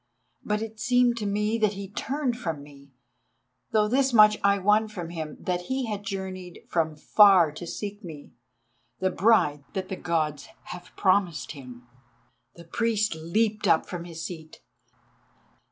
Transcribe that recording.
But it seemed to me that he turned from me, though this much I won from him, that he had journeyed from far to seek me, the Bride that the Gods have promised him." The priest leaped up from his seat.